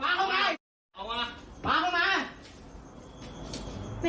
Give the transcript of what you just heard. ักให้กรดุพวกนะเฟ้อ